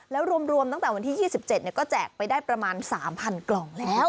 แล้วรวมตั้งแต่วันที่๒๗ก็แจกไปได้ประมาณ๓๐๐กล่องแล้ว